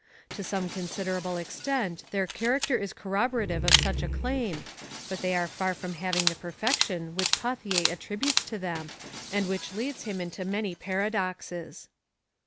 To some considerable extent their character is corroborative of such a claim, but they are far from having the perfection which Pauthier attributes to them, and which leads him into many paradoxes.